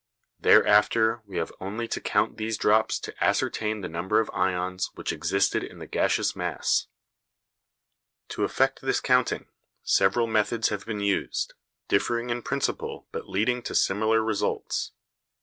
Thereafter we have only to count these drops to ascertain the number of ions which existed in the gaseous mass. To effect this counting, several methods have been used, differing in principle but leading to similar results.